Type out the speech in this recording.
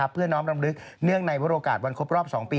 เพื่อน้อมรำลึกเนื่องในวรโอกาสวันครบรอบ๒ปี